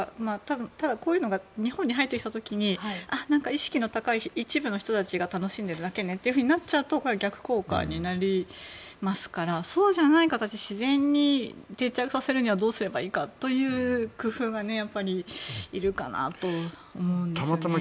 ただ、こういうのが日本に入ってきた時に意識の高い一部の人たちが楽しんでいるだけねとなるとこれは逆効果になりますからそうじゃない形で自然に定着させるにはどうすればいいかという工夫がいるかと思うんですね。